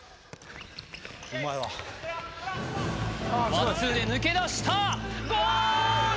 ワンツーで抜けだしたゴール！